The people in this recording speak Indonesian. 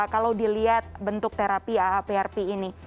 kalau dilihat bentuk terapi aaprp ini